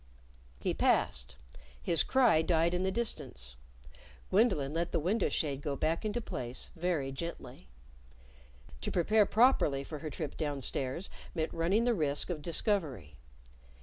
He passed. His cry died in the distance. Gwendolyn let the window shade go back into place very gently. To prepare properly for her trip downstairs meant running the risk of discovery.